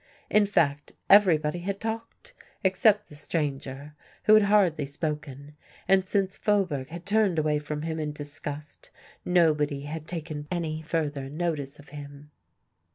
In fact everybody had talked, except the stranger, who had hardly spoken, and since Faubourg had turned away from him in disgust, nobody had taken any further notice of him.